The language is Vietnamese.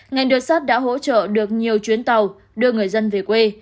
ngày đợt sát đã hỗ trợ được nhiều chuyến tàu đưa người dân về quê